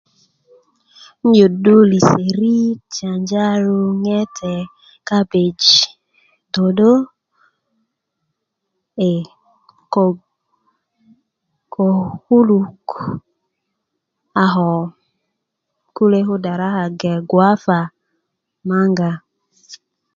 n'yuddo lisórit janjaru ŋete kabeji dodo ee ko kulok a ko kule' kudaraka gbeŋge guwapa maŋga